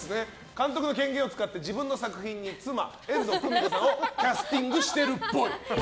監督の権限を使って自分の作品に妻・遠藤久美子さんをキャスティングしてるっぽい。